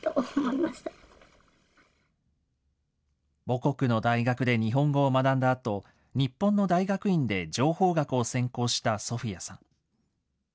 母国の大学で日本語を学んだあと、日本の大学院で情報学を専攻したソフィアさん。